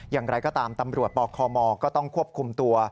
อย่างไรก็ตามตำรวจปคมก็ต้องควบคุมตัว